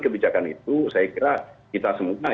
kebijakan itu saya kira kita semua